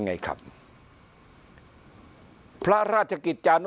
พักพลังงาน